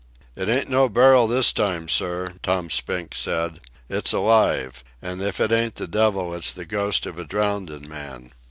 "It ain't no barrel this time, sir," Tom Spink said. "It's alive. An' if it ain't the devil it's the ghost of a drownded man.